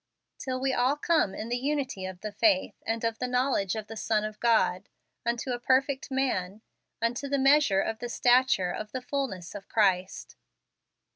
" Till ice all come in the unity of the faith, and of the knowledge of the Son of God, unto a perfect man , unto the measure of the stature of the fullness of Christ."